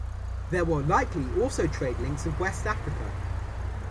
There were likely also trade links with West Africa.